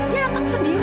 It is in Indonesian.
dia datang sendiri om